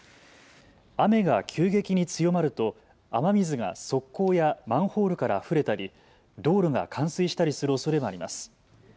雨が急激に強まると雨水が側溝やマンホールからあふれたり道路が冠水したりするおそれがあります。